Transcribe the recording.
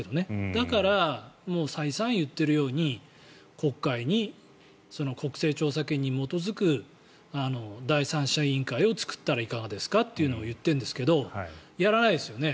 だから、再三言っているように国会に国政調査権に基づく第三者委員会を作ったらいかがですかというのを言っているんですがやらないですよね